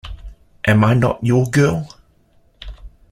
Am I Not Your Girl?